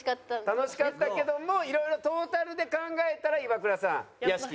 楽しかったけどもいろいろトータルで考えたらイワクラさん屋敷？